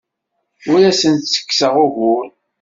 Ur asent-ttekkseɣ ugur.